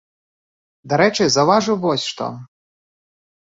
Дарэчы, заўважыў вось што.